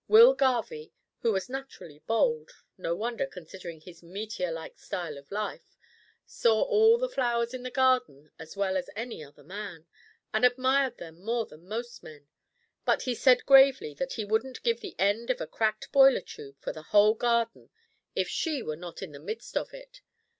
Will Garvie, who was naturally bold no wonder, considering his meteor like style of life saw all the flowers in the garden as well as any other man, and admired them more than most men, but he said gravely that he wouldn't give the end of a cracked boiler tube for the whole garden, if she were not in the midst of it.